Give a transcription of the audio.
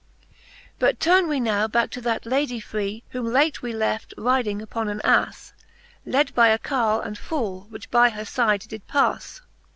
But turne we now backe to that Ladie free, Whom late we left ryding upon an Afle, Led by a Carle and foole, which by her fide did pafle.